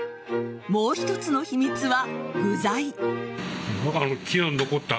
もう一つの秘密は具材。